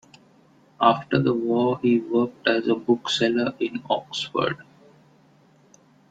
After the war, he worked as a bookseller in Oxford.